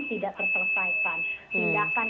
tidak terselesaikan tindakan